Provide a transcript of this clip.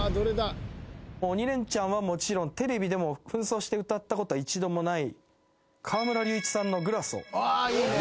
『鬼レンチャン』はもちろんテレビでも扮装して歌ったことは一度もない。